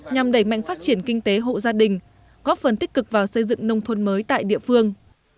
nhằm đẩy mạnh phát triển kinh tế hộ gia đình góp phần tích cực vào xây dựng nông thôn mới tại địa phương